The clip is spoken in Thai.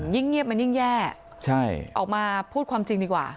เงียบมันยิ่งแย่ออกมาพูดความจริงดีกว่า